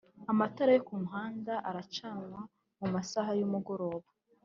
Amatara yo kumihanda acanwa mumasaha y’umugoroba